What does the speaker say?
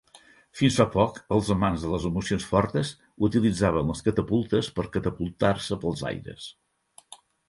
Fins fa poc, els amants de les emocions fortes utilitzaven les catapultes per catapultar-se pels aires.